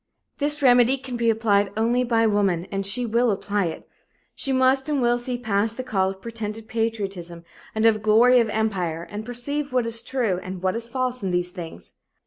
This remedy can be applied only by woman and she will apply it. She must and will see past the call of pretended patriotism and of glory of empire and perceive what is true and what is false in these things.